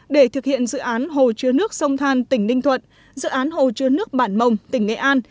để thực hiện dự án hồ chứa nước sông than tỉnh ninh thuận dự án hồ chứa nước bản mồng tỉnh nghệ an